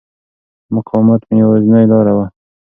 مقاومت مې یوازینۍ لاره وه.